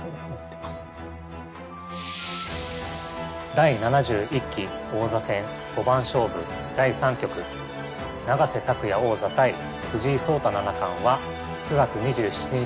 第７１期王座戦五番勝負第３局永瀬拓矢王座対藤井聡太七冠は９月２７日